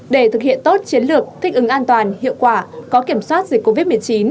để thực hiện tốt chiến lược thích ứng an toàn hiệu quả có kiểm soát dịch covid một mươi chín